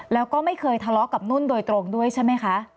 แล้วก็ไม่เคยทะเลาะกับนุ่นโดยตรงด้วยใช่ไหมคะ